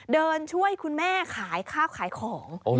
เดินช่วยคุณแม่ขายข้าวขายของ